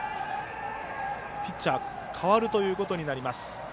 ピッチャー、代わるということになります。